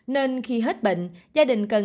nên khi hết bệnh gia đình cần